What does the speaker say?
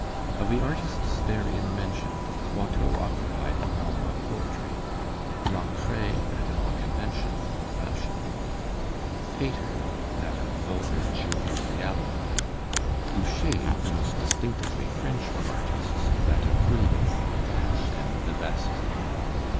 Of the artists therein mentioned, Watteau occupied the realm of poetry; Lancret that of the conventional, the fashionable; Pater that of vulgar, jovial reality; Boucher, the most distinctively French of artists, that of brilliancy, dash, and vivacity.